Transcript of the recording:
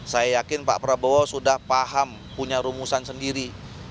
saya yakin pak prabowo sudah paham punya rumusan sendiri